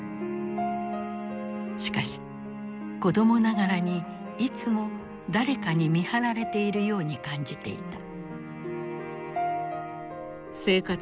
しかし子供ながらにいつも誰かに見張られているように感じていた。